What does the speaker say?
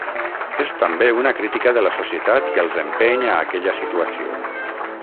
És també una crítica de la societat que els empeny a aquella situació.